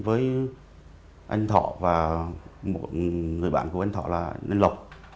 với anh thọ và một người bạn của anh thọ là nên lộc